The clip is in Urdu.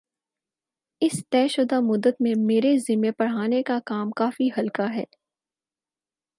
اِس طےشدہ مدت میں میرے ذمے پڑھانے کا کام کافی ہلکا ہے